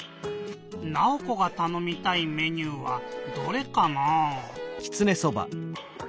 ナオコがたのみたいメニューはどれかなぁ？